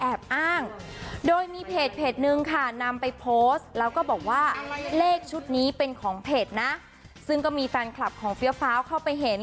แล้วก็บอกว่าเลขชุดนี้เป็นของเพจนะซึ่งก็มีแฟนคลับของเฟี้ยวเฟ้าเข้าไปเห็น